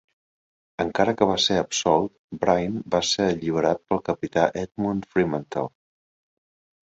Encara que va ser absolt, Brine va ser alliberat pel capità Edmund Fremantle.